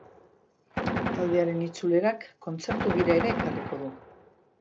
Taldearen itzulerak kontzertu-bira ere ekarriko du.